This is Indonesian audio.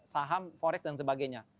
saham forex dan sebagainya